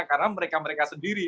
karena mereka mereka sendiri